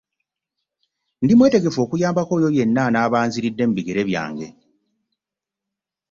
Ndi mwetegefu okuyambako oyo yenna anaaba anziridde mu bigere byange.